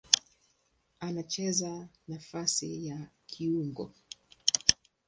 Anacheza nafasi ya kiungo.